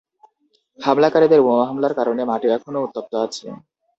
হামলাকারীদের বোমা হামলার কারণে মাটি এখনও উত্তপ্ত আছে।